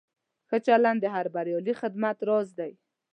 ښه چلند د هر بریالي خدمت راز دی.